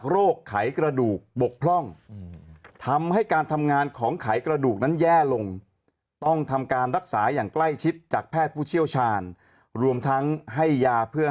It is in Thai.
รักษาอย่างใกล้ชิดจากแพทย์ผู้เชี่ยวชาญรวมทั้งให้ยาเพื่อ